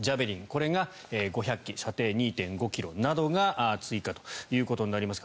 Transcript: これが５００基射程２．５ｋｍなどが追加となります。